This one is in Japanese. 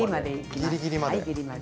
ギリギリまで？